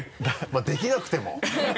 まぁできなくても。